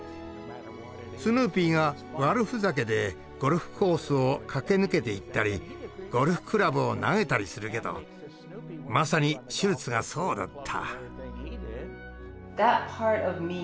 スヌーピーが悪ふざけでゴルフコースを駆け抜けていったりゴルフクラブを投げたりするけどまさにシュルツがそうだった。